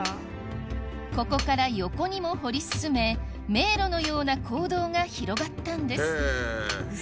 ここから横にも掘り進め迷路のような坑道が広がったんです